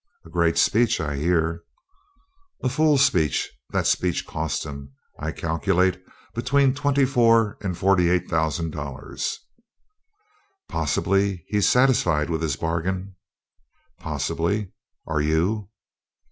"A great speech, I hear." "A fool speech that speech cost him, I calculate, between twenty four and forty eight thousand dollars." "Possibly he's satisfied with his bargain." "Possibly. Are you?"